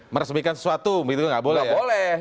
meresmikan sesuatu begitu nggak boleh ya nggak boleh